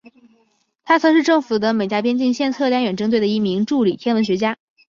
他曾是政府的美加边境线测量远征队的一名助理天文学家。